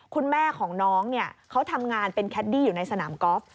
คุณแม่ของน้องเนี่ยเขาทำงานเป็นแคดดี้อยู่ในสนามกอล์ฟ